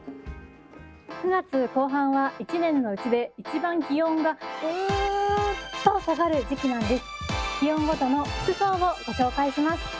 ９月後半は１年のうちで一番気温がぐーっと下がる時期なんです。